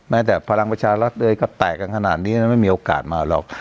แต่พลังประชารัฐเองก็แตกกันขนาดนี้ไม่มีโอกาสมาหรอก